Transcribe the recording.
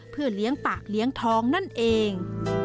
เพื่อเลี้ยงปากเลี้ยงท้องนั่นเอง